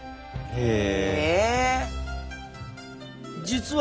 へえ！